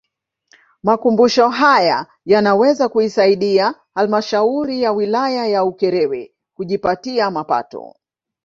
Makumbusho haya yanaweza kuisaidia Halmashauri ya Wilaya ya Ukerewe kujipatia mapato